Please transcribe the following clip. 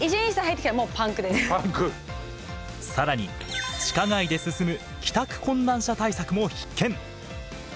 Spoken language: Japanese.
更に地下街で進む帰宅困難者対策も必見。